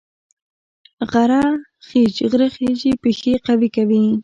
غره خیژي پښې قوي کوي